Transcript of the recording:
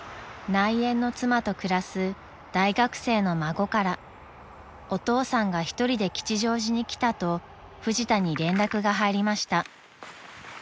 ［内縁の妻と暮らす大学生の孫からお父さんが一人で吉祥寺に来たとフジタに連絡が入りました］